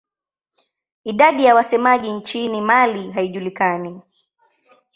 Idadi ya wasemaji nchini Mali haijulikani.